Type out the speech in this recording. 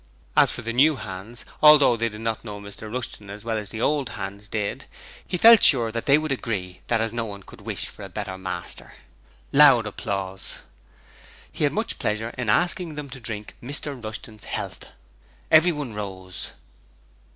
As for the new hands, although they did not know Mr Rushton as well as the old hands did, he felt sure that they would agree that as no one could wish for a better master. (Loud applause.) He had much pleasure in asking them to drink Mr Rushton's health. Everyone rose.